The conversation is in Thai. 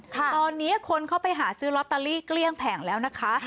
ตอนนี้คนเข้าไปหาซื้อลอตเตอรี่เกลี้ยงแผงแล้วนะคะ